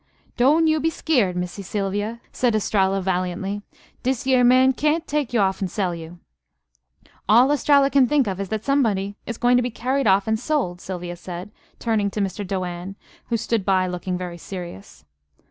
"Don' you be skeered, Missy Sylvia," said Estralla valiantly. "Dis yere man cyan't take you off'n sell you." "All Estralla can think of is that somebody is going to be carried off and sold," Sylvia said, turning to Mr. Doane, who stood by looking very serious.